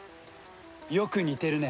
よく似てるね。